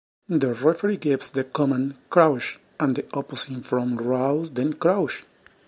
The referee gives the command "crouch" and the opposing front rows then crouch.